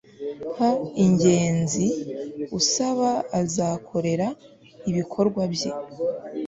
h ingenzi Usaba azakorera ibikorwa bye